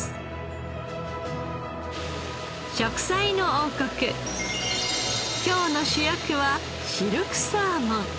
『食彩の王国』今日の主役はシルクサーモン。